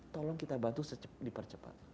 tolong kita bantu dipercepat